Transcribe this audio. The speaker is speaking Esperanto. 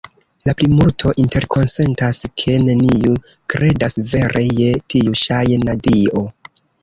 La plimulto interkonsentas, ke neniu kredas vere je tiu ŝajna dio.